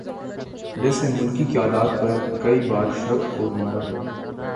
جس نے ملکی قیادت پر کئی بار شب خون مارا ہو